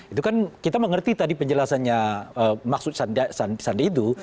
itu kan kita mengerti tadi penjelasannya maksud sandi itu